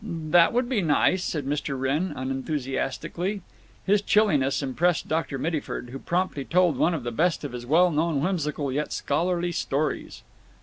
"That would be nice," said Mr. Wrenn, unenthusiastically. His chilliness impressed Dr. Mittyford, who promptly told one of the best of his well known whimsical yet scholarly stories.